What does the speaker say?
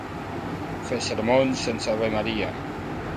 Fer sermons sense Avemaria.